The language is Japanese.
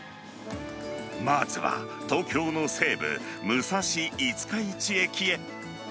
まずは東京の西部、武蔵五日市駅へ。